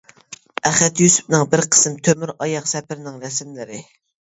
ئەخەت يۈسۈپنىڭ بىر قىسىم تۆمۈر ئاياغ سەپىرىنىڭ رەسىملىرى.